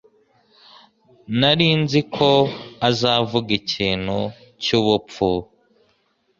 Nari nzi ko azavuga ikintu cyubupfu.